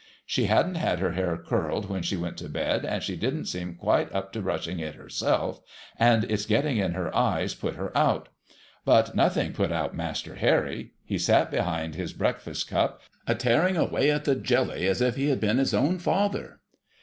She hadn't had her hair curled when she went to bed, and she didn't seem quite up to brushing it herself, and its getting in her eyes put her out. But nothing put out Master Harry. He sat behind his breakfast cup, a tearing away at the jelly, as if he had been his own father.